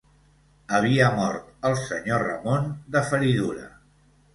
Havia mort el senyor Ramon de feridura